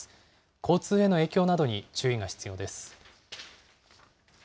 交通への影響などに注意が必要です。